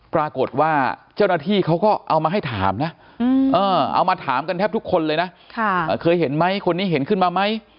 ปรากฏว่าเจ้าหน้าที่เขาก็เอามาให้ถามนะเอามาถามกันแทบทุกคนเลยนะเคยเห็นไหมคนนี้เห็นขึ้นมาไหม